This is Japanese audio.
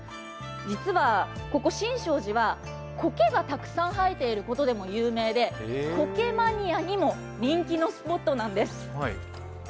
実は、ここ神勝寺はこけがたくさん生えていることでも有名でこけマニアにも人気のスポットなんです。